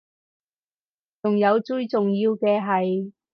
仲有最重要嘅係